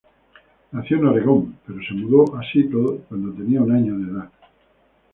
Nació en Oregón, pero se mudó a Seattle cuando tenía un año de edad.